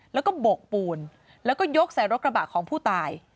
แล้วก็โบกปูนแล้วก็ยกใส่รถกระบะของผู้ตาย